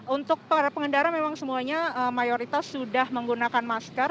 untuk para pengendara memang semuanya mayoritas sudah menggunakan masker